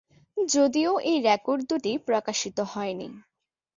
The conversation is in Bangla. যদিও এই রেকর্ড দুটি প্রকাশিত হয়নি।